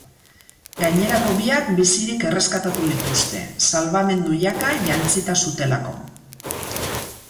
Gainerako biak bizirik erreskatatu dituzte, salbamendu-jaka jantzita zutelako.